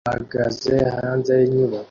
bahagaze hanze yinyubako